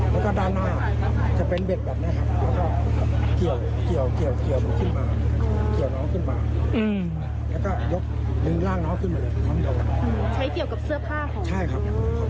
ดึงร่างน้องคือเหมือนใช้เกี่ยวกับเสื้อผ้าของน้องใช่ครับ